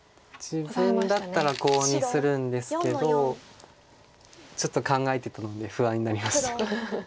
自分だったらコウにするんですけどちょっと考えてたんで不安になりました。